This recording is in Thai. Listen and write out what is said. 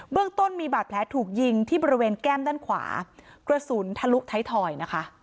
เรื่องต้นมีบาดแผลถูกยิงที่บริเวณแก้มด้านขวากระสุนทะลุท้ายทอยนะคะ